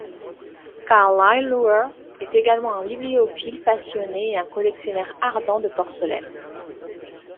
Carlyle Luer est également un bibliophile passionné et un collectionneur ardent de porcelaine.